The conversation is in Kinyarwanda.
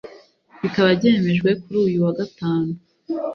bikaba byemejwe kuri uyu wa gatanu